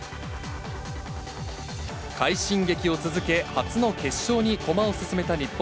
快進撃を続け、初の決勝に駒を進めた日本。